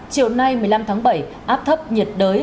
chiều nay một mươi năm tháng bảy áp thấp nhiệt đới